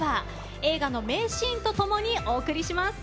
映画の名シーンとともにお送りします。